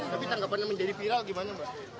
tapi tanggapannya menjadi viral gimana mbak